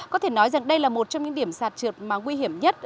có thể nói rằng đây là một trong những điểm sạt trượt mà nguy hiểm nhất